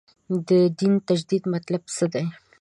د دین تجدید مطلب څه دی.